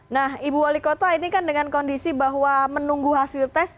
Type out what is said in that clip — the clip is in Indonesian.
nah ibu wali kota ini kan dengan kondisi bahwa menunggu hasil tes